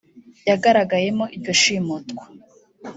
yagaragayemo iryo shimutwa